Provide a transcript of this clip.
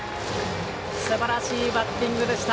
すばらしいバッティングでした。